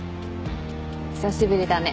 久しぶりだね。